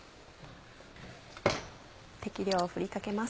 適量を振りかけます。